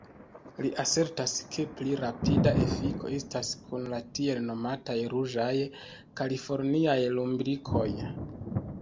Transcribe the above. Li asertas, ke pli rapida efiko estas kun la tiel nomataj ruĝaj kaliforniaj lumbrikoj.